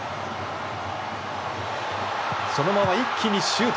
そのまま、一気にシュート。